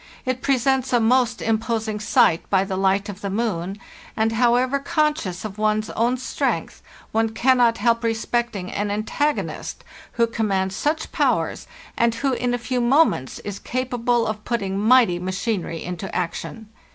It presents a most imposing sight by the hight of the moon, and, however conscious of one's own strength, one cannot help respecting an antagonist who commands such powers, and who, in a few moments, is capable of putting mighty machinery into action.